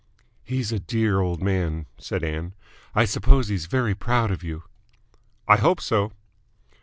"He's a dear old man," said Ann. "I suppose he's very proud of you?" "I hope so."